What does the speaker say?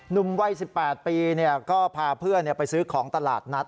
นุ่มว่ายสิบแปดปีเนี่ยก็พาเพื่อนไปซื้อของตลาดนัด